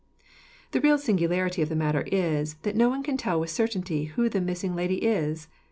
"The real singularity of the matter is, that no one can tell with certainty who the missing lady is.